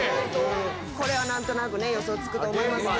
これは何となく予想つくと思いますけど。